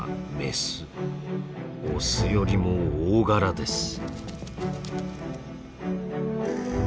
オスよりも大柄です。